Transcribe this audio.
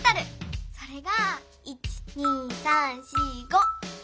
それが１・２・３・４・５。